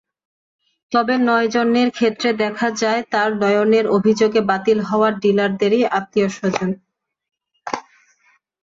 তবে নয়জনের ক্ষেত্রে দেখা যায়, তাঁরা অনিয়মের অভিযোগে বাতিল হওয়া ডিলারদেরই আত্মীয়স্বজন।